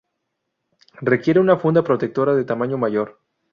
Requiere una funda protectora de tamaño mayor.